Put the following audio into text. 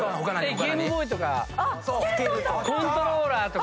ゲームボーイとかコントローラーとか。